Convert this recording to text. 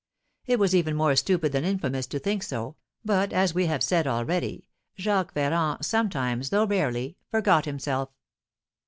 It was even more stupid than infamous to think so, but, as we have said already, Jacques Ferrand sometimes, though rarely, forgot himself.